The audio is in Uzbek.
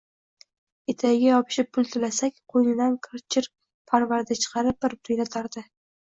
Etagiga yopishib pul tilasak, qo’ynidan kir-chir parvarda chiqarib bir-bir yalatardi-yu